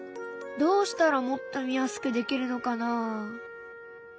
どうしたらもっと見やすくできるのかな？